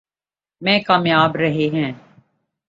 میں کامیاب رہے ہیں۔